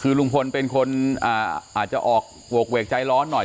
คือลุงพลเป็นคนอาจจะออกโหกเวกใจร้อนหน่อย